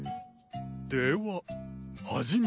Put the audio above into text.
でははじめ！